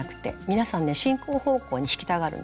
皆さんね進行方向に引きたがるんですけどこっち側に。